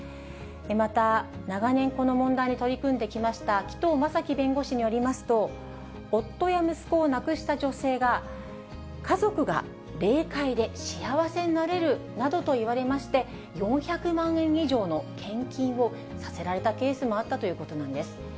また、長年この問題に取り組んできました、紀藤正樹弁護士によりますと、夫や息子を亡くした女性が、家族が霊界で幸せになれるなどと言われまして、４００万円以上の献金をさせられたケースもあったということなんです。